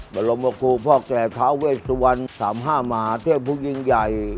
บรรลมครูพ่อแก่ท้าวเวสวรรค์สามห้ามหาเทพภูมิยิงใหญ่